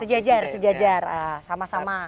sejajar sejajar sama sama